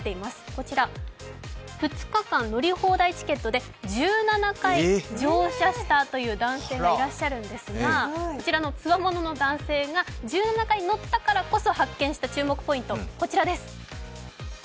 こちら２日間乗り放題チケットで１７回乗車したという男性がいらっしゃるんですが、こちらの強者の男性が１７回乗ったからこそ発見した注目ポイント、こちらです